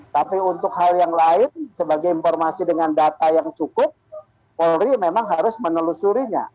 tapi untuk hal yang lain sebagai informasi dengan data yang cukup polri memang harus menelusurinya